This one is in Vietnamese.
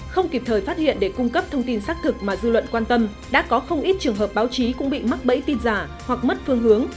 không kịp thời phát hiện để cung cấp thông tin xác thực mà dư luận quan tâm đã có không ít trường hợp báo chí cũng bị mắc bẫy tin giả hoặc mất phương hướng